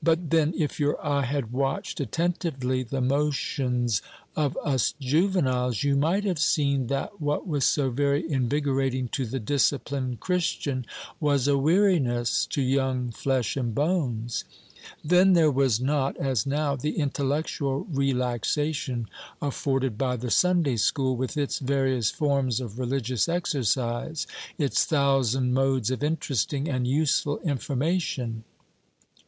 But, then, if your eye had watched attentively the motions of us juveniles, you might have seen that what was so very invigorating to the disciplined Christian was a weariness to young flesh and bones. Then there was not, as now, the intellectual relaxation afforded by the Sunday school, with its various forms of religious exercise, its thousand modes of interesting and useful information.